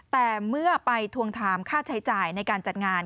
แต่เมื่อไปทวงถามค่าใช้จ่ายในการจัดงาน